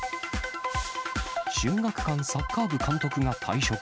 秀岳館サッカー部監督が退職。